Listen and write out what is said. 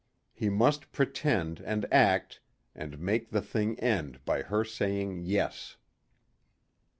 He must pretend and act and make the thing end by her saying "Yes."